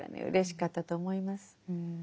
うれしかったと思います。